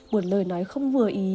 một lời nói không vừa ý